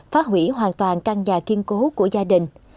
phá hủy hoàn toàn căn nhà kiên cố của gia đình